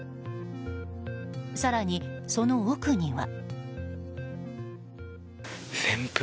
更に、その奥には。